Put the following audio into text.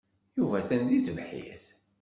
Yuba atan deg tebḥirt.